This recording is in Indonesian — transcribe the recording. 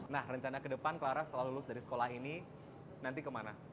nah rencana ke depan clara setelah lulus dari sekolah ini nanti kemana